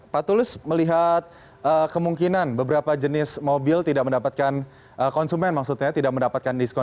pak tulus melihat kemungkinan beberapa jenis mobil tidak mendapatkan konsumen maksudnya tidak mendapatkan diskon